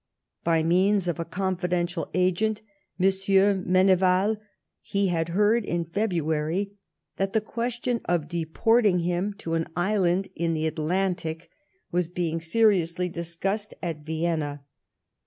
By means of a confidential agent, 31. Menevi.l, he had heard in February that the question of deporting him to an island in the Atlantic was being seriously discussed at Vienna.